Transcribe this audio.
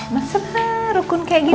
benar benar rukun kayak gini